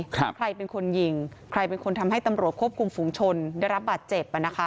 ใครเป็นคนหยิงใครคงทำให้ตำรวจโครบกลุ่มภูมิชม้าได้รับบาดเจ็บ